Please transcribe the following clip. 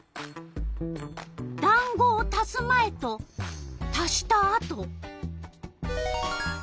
だんごを足す前と足した後。